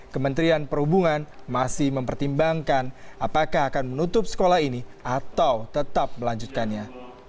kementerian perhubungan masih mempertimbangkan apakah akan menutup sekolah ini atau tetap melanjutkannya